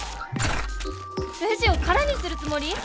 レジを空にするつもり？